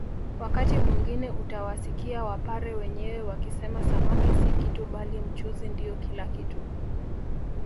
Wakati mwingine utawasikia wapare wenyewe wakisema samaki si kitu bali mchuzi ndio kila kitu